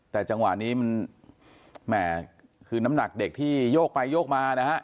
แต่จังหวะนี้มันแหม่คือน้ำหนักเด็กที่โยกไปโยกมานะฮะ